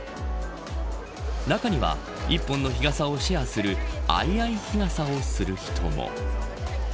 中には、１本の日傘をシェアする相合い日傘をする人も。